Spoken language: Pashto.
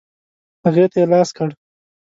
هغې ته یې لاس کړ.